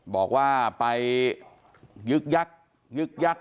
บอกว่าไปยึกยักยึกยักษ